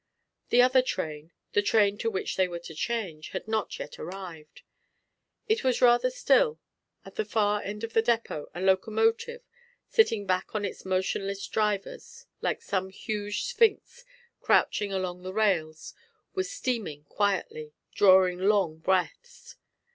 The other train, the train to which they were to change, had not yet arrived. It was rather still; at the far end of the depot a locomotive, sitting back on its motionless drivers like some huge sphinx crouching along the rails, was steaming quietly, drawing long breaths.